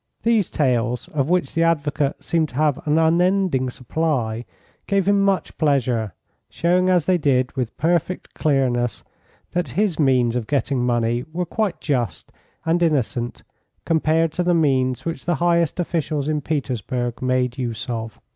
These tales, of which the advocate seemed to have an unending supply, gave him much pleasure, showing as they did, with perfect clearness, that his means of getting money were quite just and innocent compared to the means which the highest officials in Petersburg made use of.